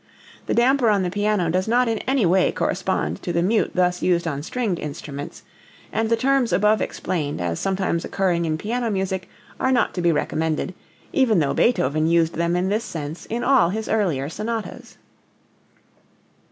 The damper on the piano does not in any way correspond to the mute thus used on stringed instruments, and the terms above explained as sometimes occurring in piano music are not to be recommended, even though Beethoven used them in this sense in all his earlier sonatas.